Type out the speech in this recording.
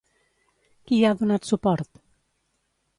Qui hi ha donat suport?